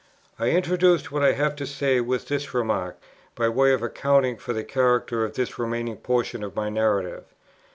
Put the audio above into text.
I introduce what I have to say with this remark, by way of accounting for the character of this remaining portion of my narrative.